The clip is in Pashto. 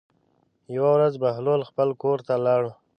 یوه ورځ بهلول خپل کور ته لاړ.